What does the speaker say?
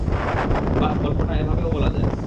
বাহ, গল্পটা এভাবেও বলা যায়।